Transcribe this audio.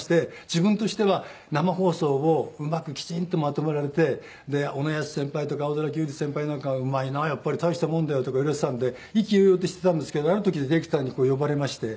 自分としては生放送をうまくきちんとまとめられて小野ヤスシ先輩とか青空球児先輩なんかはうまいなやっぱり大したもんだよとか言われていたんで意気揚々としていたんですけどある時にディレクターに呼ばれまして。